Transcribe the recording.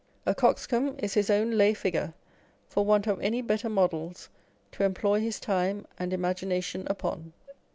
A coxcomb is his own lay figure, for want of any better models to employ his time and imagination upon.